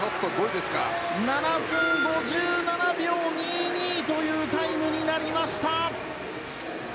７分５７秒２２というタイムになりました。